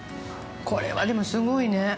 これは、でもすごいね。